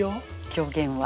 狂言は。